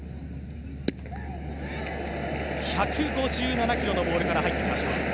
１５７キロのボールから入ってきました。